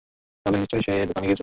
তাহলে নিশ্চয়ই সে দোকানে গিয়েছিল।